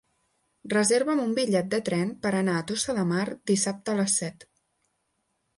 Reserva'm un bitllet de tren per anar a Tossa de Mar dissabte a les set.